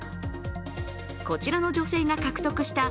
こちらの女性が獲得した